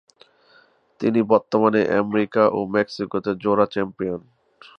তিনি বর্তমানে আমেরিকা ও মেক্সিকোতে জোড়া চ্যাম্পিয়ন।